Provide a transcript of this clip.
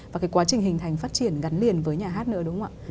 và cái quá trình hình thành phát triển gắn liền với nhà hát nữa đúng không ạ